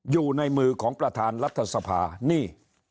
อยู่ในมือของประธานรัฐสภานี่